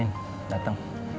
iya nih dateng